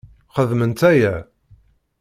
Xedmemt aya!